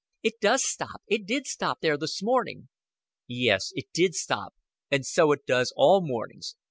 It does stop it did stop there this morning." "Yes, it did stop and so it does all mornings.